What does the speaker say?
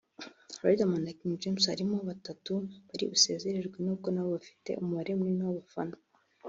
Riderman na King James harimo batatu bari busezererwe n’ubwo nabo bafite umubare munini w’abafana